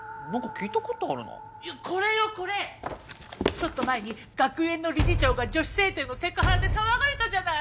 ちょっと前に学園の理事長が女子生徒へのセクハラで騒がれたじゃない！